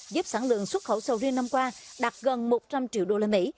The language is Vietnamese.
giúp sản lượng xuất khẩu sầu riêng năm qua đạt gần một trăm linh triệu đô la mỹ